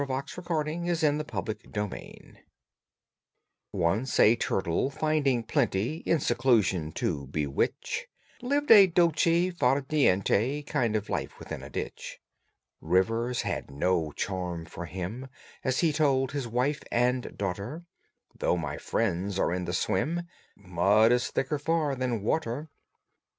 THE PERSEVERING TORTOISE AND THE PRETENTIOUS HARE Once a turtle, finding plenty In seclusion to bewitch, Lived a dolce far niente Kind of life within a ditch; Rivers had no charm for him, As he told his wife and daughter, "Though my friends are in the swim, Mud is thicker far than water."